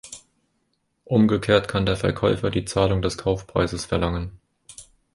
Umgekehrt kann der Verkäufer die Zahlung des Kaufpreises verlangen.